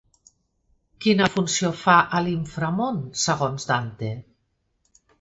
Quina funció fa a l'Inframon segons Dante?